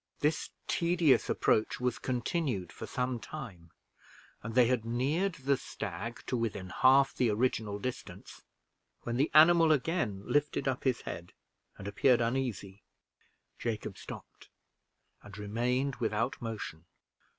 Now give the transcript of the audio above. This tedious approach was continued for some time, and they had neared the stag to within half the original distance, when the animal again lifted up his head and appeared uneasy. Jacob stopped and remained without motion.